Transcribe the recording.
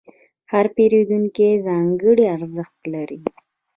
هر پیرودونکی ځانګړی ارزښت لري.